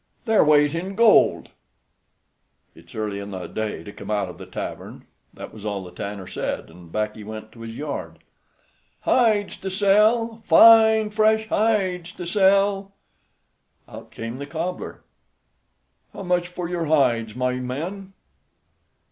"Their weight in gold." "It's early in the day to come out of the tavern." That was all the tanner said, and back he went to his yard. "Hides to sell! Fine fresh hides to sell!" Out came the cobbler: "How much for your hides, my men?"